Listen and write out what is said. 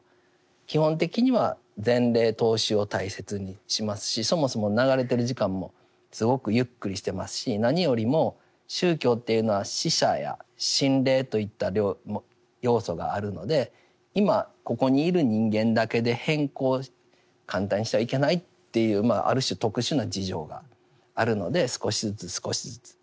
基本的には前例踏襲を大切にしますしそもそも流れてる時間もすごくゆっくりしていますし何よりも宗教というのは死者や心霊といった要素があるので今ここにいる人間だけで変更を簡単にしてはいけないというある種特殊な事情があるので少しずつ少しずつ。